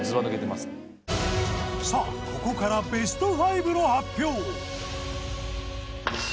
さあここからベスト５の発表。